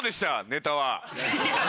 ネタは。